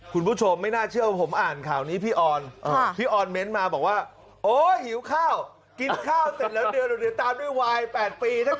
คุณผู้ชมไม่น่าเชื่อว่าผมอ่านข่าวนี้พี่ออน